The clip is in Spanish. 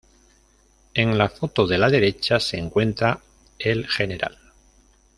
En la foto de la derecha se encuentra el Gral.